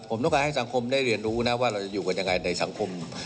ผมต้องการให้สังคมได้เรียนรู้นะว่าเราจะอยู่กันยังไงในสังคม